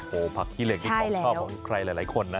โอ้โหผักขี้เหล็กนี่ของชอบของใครหลายคนนะ